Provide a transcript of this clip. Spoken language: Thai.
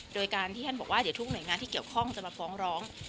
โดยการที่ท่านบอกว่าเดี๋ยวทุกหน่วยงานที่เกี่ยวข้องจะมาฟ้องร้อง